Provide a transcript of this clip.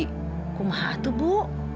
kok mahal tuh bu